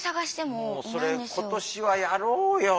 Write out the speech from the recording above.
もうそれ今年はやろうよ。